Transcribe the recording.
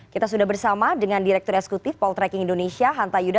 kita sudah bersama dengan direktur eksekutif poltreking indonesia hanta yuda